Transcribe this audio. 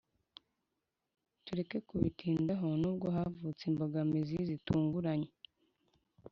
tureke kubitindaho! nubwo havutse imbogamizi zitunguranye